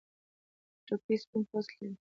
خټکی سپین پوست لري.